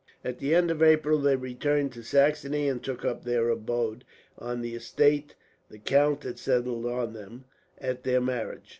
At the end of April they returned to Saxony, and took up their abode on the estate the count had settled on them, at their marriage.